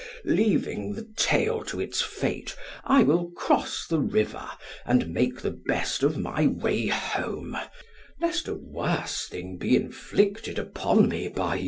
Leaving the tale to its fate, I will cross the river and make the best of my way home, lest a worse thing be inflicted upon me by you.